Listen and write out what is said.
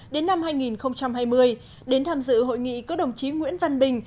đến năm hai nghìn hai mươi đến tham dự hội nghị có đồng chí nguyễn văn bình